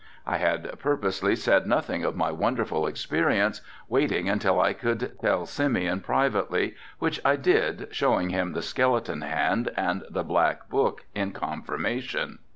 I had purposely said nothing of my wonderful experience, waiting until I could tell Simeon privately, which I did showing him the skeleton hand and the black book in confirmation.